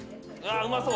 うまそう！